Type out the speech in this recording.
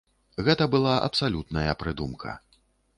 Гэта была абсалютная прыдумка.